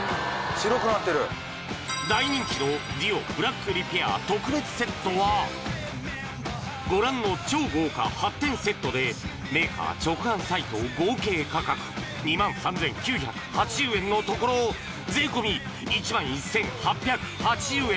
白くなってる大人気のＤＵＯブラックリペア特別セットはご覧の超豪華８点セットでメーカー直販サイト合計価格２３９８０円のところ税込１１８８０円